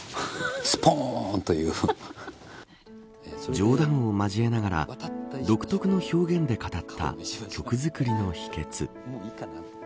冗談を交えながら独特の表現で語った曲作りの秘訣。